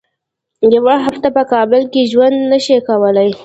یوه هفته په کابل کې ژوند نه شي کولای.